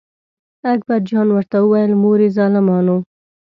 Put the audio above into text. اکبر جان ورته وویل: مورې ظالمانو.